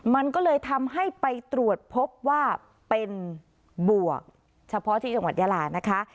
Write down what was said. มันก็เลยทำให้ไปตรวจพบว่าเป็นบวกเฉพาะที่จังหวัดยาลานะคะ